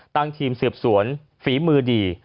ทีมสืบสวนฝีมือดี